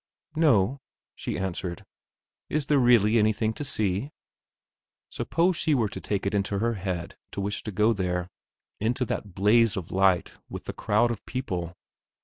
"No," she answered; "is there really anything to see?" Suppose she were to take it into her head to wish to go there? Into that blaze of light, with the crowd of people.